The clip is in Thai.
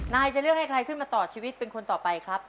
นายจะเลือกให้ใครขึ้นมาต่อชีวิตเป็นคนต่อไปครับ